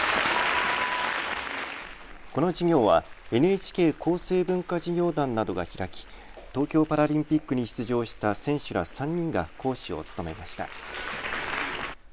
この授業はＮＨＫ厚生文化事業団などが開き東京パラリンピックに出場した選手ら３人が講師を務めました。